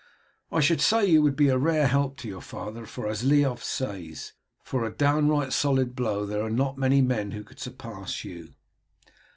I should say you would be a rare help to your father, for, as Leof says, for a downright solid blow there are not many men who could surpass you."